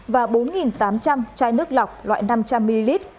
và bốn tám trăm linh chai nước lọc loại năm trăm linh ml